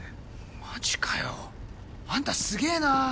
マジかよ。あんたすげぇな。